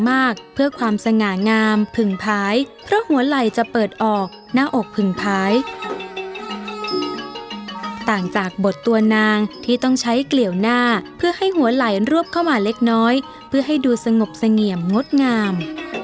มากเพื่อความสง่างามผึ่งพายเพราะหัวไหล่จะเปิดออกหน้าอกผึ่งพายต่างจากบทตัวนางที่ต้องใช้เกลี่ยวหน้าเพื่อให้หัวไหลรวบเข้ามาเล็กน้อยเพื่อให้ดูสงบเสงี่ยมงดงาม